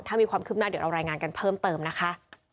ถ้ามีความคืบหน้าเดี๋ยวเรารายงานกันเพิ่มเติมนะคะ